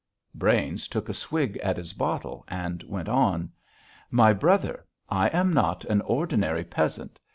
Brains took a swig at his bottle and went on: "My brother, I am not an ordinary peasant.